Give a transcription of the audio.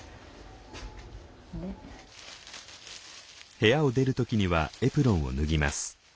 部屋を出る時にはエプロンを脱ぎます。